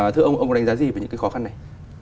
thưa ông ông có đánh giá gì về những cái khó khăn này